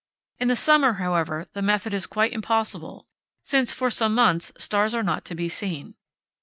In the summer, however, the method is quite impossible, since, for some months, stars are not to be seen.